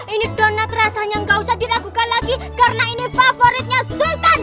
ini donat rasanya gak usah diragukan lagi karena ini favoritnya sultan